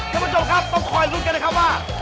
ท่านผู้ชมครับพยาบาลตื่นกันนะคะว่า